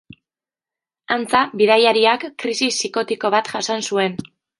Antza, bidaiariak krisi psikotiko bat jasan zuen.